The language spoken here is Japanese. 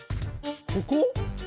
ここ？